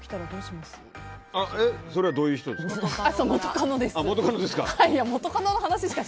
それはどういう人ですか？